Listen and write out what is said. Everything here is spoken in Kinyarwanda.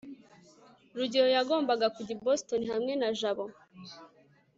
rugeyo yagombaga kujya i boston hamwe na jabo